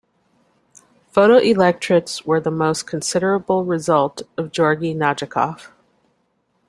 Photoelectrets were the most considerable result of Georgi Nadjakov.